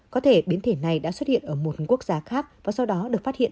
có thể biến thể này đã xuất hiện ở một quốc gia khác và sau đó được phát hiện